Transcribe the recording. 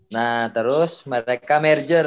nah terus mereka merger